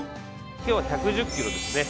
今日は１１０キロですね。